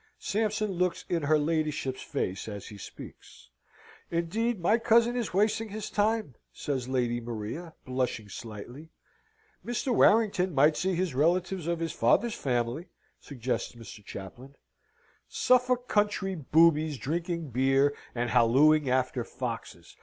Sampson looks in her ladyship's face as he speaks. "Indeed, my cousin is wasting his time," says Lady Maria, blushing slightly. "Mr. Warrington might see his relatives of his father's family," suggests Mr. Chaplain. "Suffolk country boobies drinking beer and hallooing after foxes!